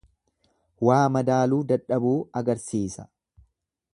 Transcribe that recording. Waa madaaluu dadhabuu agarsiisa.